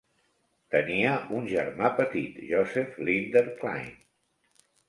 Tenia un germà petit, Joseph Leander Cline.